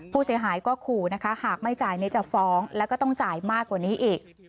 ผู้เสียหายก็ขู่นะคะหากไม่จ่ายนี้จะฟ้องแล้วก็ต้องจ่ายมากกว่านี้อีก